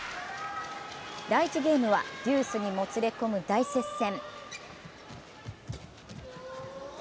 第１ゲームはデュースにもつれ込む大接戦。